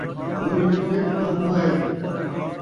گولی ان٘در ، دم ٻاہر